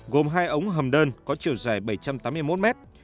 gồm hai ống hầm đơn có chiều dài bảy trăm tám mươi một mét